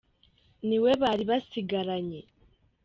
niwe bari basigaranye.